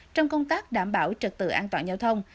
trong công tác đảm bảo trật tự an toàn giao thông